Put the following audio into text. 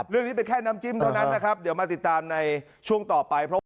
เรื่องนี้เป็นแค่น้ำจิ้มเท่านั้นนะครับเดี๋ยวมาติดตามในช่วงต่อไปเพราะว่า